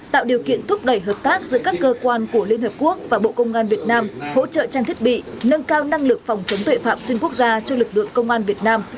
tạo điều kiện thúc đẩy hợp tác giữa các cơ quan của liên hợp quốc và bộ công an việt nam hỗ trợ trang thiết bị nâng cao năng lực phòng chống tuệ phạm xuyên quốc gia cho lực lượng công an việt nam